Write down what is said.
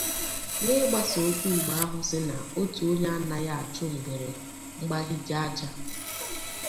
N'ịgbaso okwu Igbo ahụ sị na otu onye anaghị achụ ngwere mgbahige aja